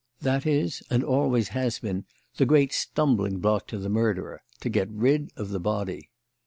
That is, and always has been, the great stumbling block to the murderer: to get rid of the body.